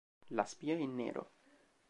La spia in nero